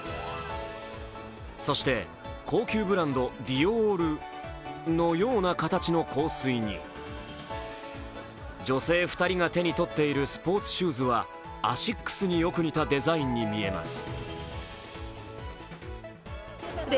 そして高級ブランドディオールのような形の香水に女性２人が手にとっているスポーツシューズはアシックスによく似たデザインに見えます。